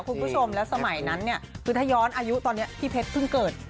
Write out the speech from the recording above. คุณผู้ชมแล้วสมัยนั้นเนี่ยคือถ้าย้อนอายุตอนนี้พี่เพชรเพิ่งเกิด